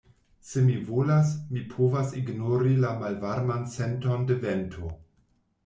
Se mi volas, mi povas ignori la malvarman senton de vento.